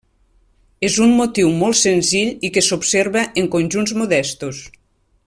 És un motiu molt senzill i que s'observa en conjunts modestos.